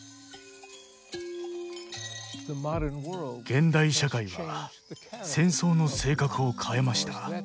現代社会は戦争の性格を変えました。